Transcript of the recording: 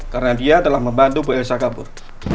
karena dia telah membantu bu elsa kabur